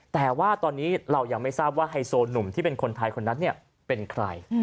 แต่ว่าตอนนี้เรายังไม่ทราบว่าไฮโซหนุ่มที่เป็นคนไทยคนนั้นเป็นใคร